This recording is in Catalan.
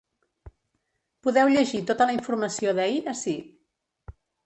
Podeu llegir tota la informació d’ahir ací.